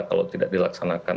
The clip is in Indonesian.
kalau tidak dilaksanakan